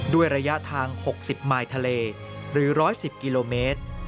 ด้วยระยะทาง๖๐มายทะเลหรือ๑๑๐กิโลเมตร